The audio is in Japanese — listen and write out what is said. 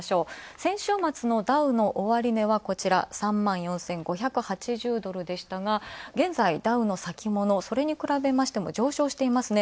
先週末のダウの終値はこちら、３万４５８０ドルでしたが、現在はダウの先物、それに比べましても上昇してますね。